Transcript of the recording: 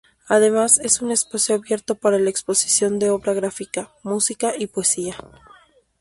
Además es un espacio abierto para la exposición de obra gráfica, música y poesía.